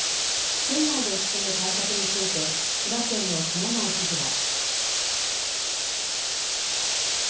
県内で進む対策について千葉県の熊谷知事は。